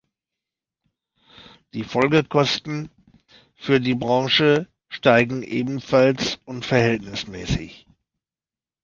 Die Folgekosten für die Branche steigen ebenfalls unverhältnismäßig.